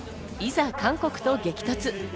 いざ韓国と激突。